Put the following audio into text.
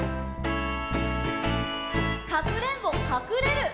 「かくれんぼかくれる」